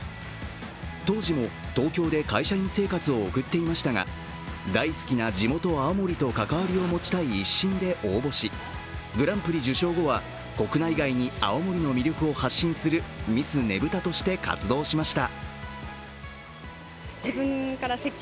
当時も東京で会社員生活を送っていましたが大好きな地元・青森と関わりを持ちたい一心で応募しグランプリ受賞後は、国内外に青森の魅力を発信するミスねぶたとして活動しました。